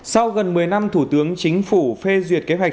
sau gần một mươi năm thủ tướng chính phủ phê duyệt kế hoạch xét nghiệm